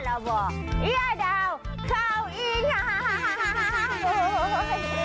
เราบอกย่าดาวเข้าอีน้อง